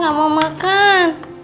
gak mau makan